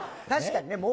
確かにね。